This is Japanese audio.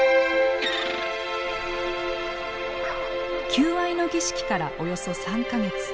求愛の儀式からおよそ３か月。